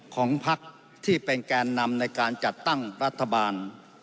ของพักที่เป็นแกนนำในการจัดตั้งรัฐบาล